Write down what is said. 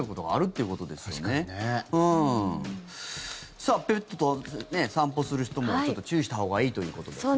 さあペットと散歩する人も注意したほうがいいということですが。